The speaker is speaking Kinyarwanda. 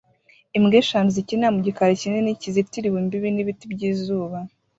Imbwa eshanu zikinira mu gikari kinini kizitiriwe imbibi n’ibiti byizuba